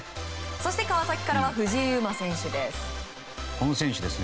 そして川崎からは藤井祐眞選手です。